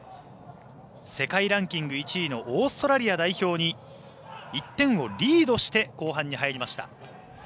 世界ランキング１位のオーストラリア代表に１点をリードして後半に入りました。